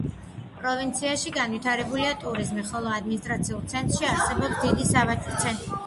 პროვინციაში განვითარებულია ტურიზმი, ხოლო ადმინისტრაციულ ცენტრში არსებობს დიდი სავაჭრო ცენტრი.